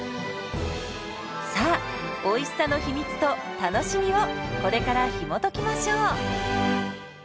さあおいしさの秘密と楽しみをこれからひもときましょう。